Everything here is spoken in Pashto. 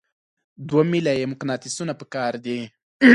دوه میله یي مقناطیسونه پکار دي.